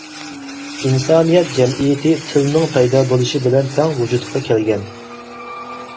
ئىنسانىيەت جەمئىيىتى تىلنىڭ پەيدا بولۇشى بىلەن تەڭ ۋۇجۇدقا كەلگەن.